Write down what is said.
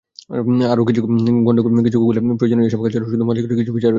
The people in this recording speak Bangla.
আরও কিছুগুগলে প্রয়োজনীয় এসব কাজ ছাড়াও শুধু মজা করার জন্যে কিছু ফিচার রয়েছে।